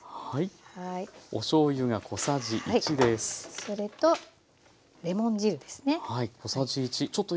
それとレモン汁ですね。